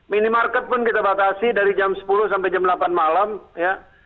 minimarket pun kita batasi dari jam sepuluh sampai jam delapan malam ya